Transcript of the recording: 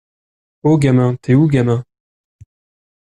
Ho gamin! T'es où gamin?!